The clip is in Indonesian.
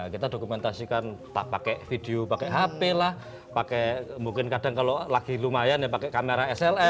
kita dokumentasikan pakai video pakai hp lah pakai mungkin kadang kalau lagi lumayan ya pakai kamera sls